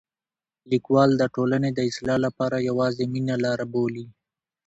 لیکوال د ټولنې د اصلاح لپاره یوازې مینه لاره بولي.